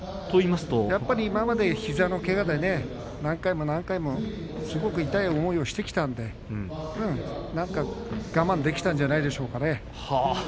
やっぱり今まで膝のけがで何回も何回もすごく痛い思いをしてきたので我慢できたんじゃないでしょうか。